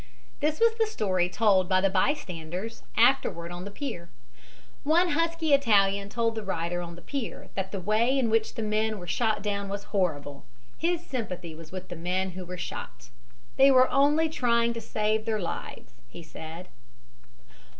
This was the story told by the bystanders afterwards on the pier. One husky Italian told the writer on the pier that the way in which the men were shot down was horrible. His sympathy was with the men who were shot. "They were only trying to save their lives," he said.